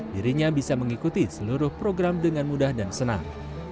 dirinya bisa mengikuti seluruh program dengan mudah dan senang